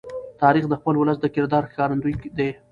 تاریخ د خپل ولس د کردار ښکارندوی دی.